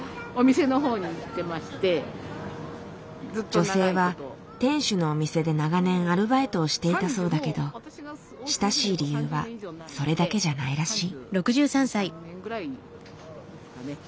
女性は店主のお店で長年アルバイトをしていたそうだけど親しい理由はそれだけじゃないらしい。